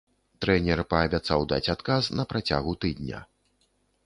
Трэнер паабяцаў даць адказ на працягу тыдня.